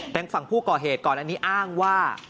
ทางฝั่งผู้ก่อเหตุก่อนอันนี้อ้างว่า